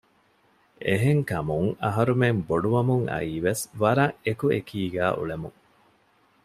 އެހެންކަމުން އަހަރުމެން ބޮޑުވަމުން އައީވެސް ވަރަށް އެކު އެކީގައި އުޅެމުން